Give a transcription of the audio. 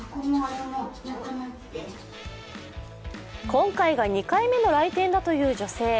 今回が２回目の来店だという女性。